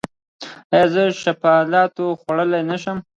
ایا زه شفتالو خوړلی شم؟